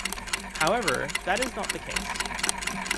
However, that is not the case.